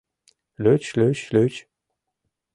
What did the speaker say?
Лӱч-лӱч-лӱч!